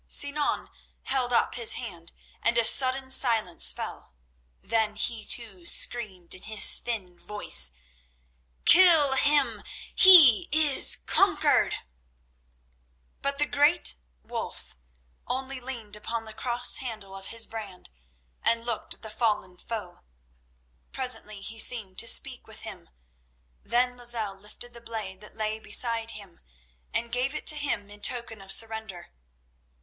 _" Sinan held up his hand, and a sudden silence fell. Then he, too, screamed in his thin voice: "Kill him! He is conquered!" But the great Wulf only leaned upon the cross handle of his brand, and looked at the fallen foe. Presently he seemed to speak with him; then Lozelle lifted the blade that lay beside him and gave it to him in token of surrender.